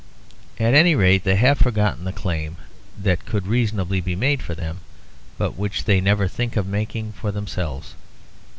At any rate they have forgotten the claims that could reasonably be made for them, but which they never think of making for themselves.